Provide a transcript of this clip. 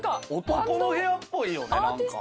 男の部屋っぽいよね何か。